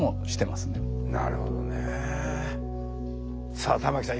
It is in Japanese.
さあ玉木さん